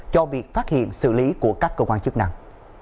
cho việc phát hiện xử lý của các cơ quan chức năng